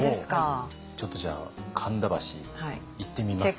ちょっとじゃあ神田橋行ってみますかね。